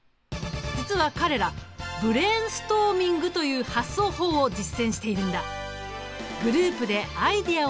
実は彼らブレーンストーミングという発想法を実践しているんだ。